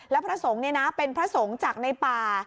แล้วพระสงฆ์เป็นพระสงฆ์จากในป่า